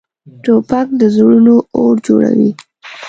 توپک له زړونو اور جوړوي.